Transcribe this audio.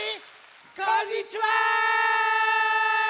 こんにちは！